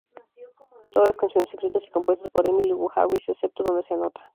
Todas las canciones escritas y compuestas por Emmylou Harris excepto donde se anota.